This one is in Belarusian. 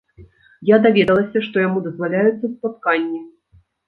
Я даведалася, што яму дазваляюцца спатканні.